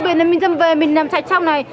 bên này mình dâm về mình làm sạch trong này